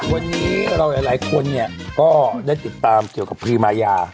วันนี้เราหลายคนเนี่ยก็ได้ติดตามเกี่ยวกับพรีมายา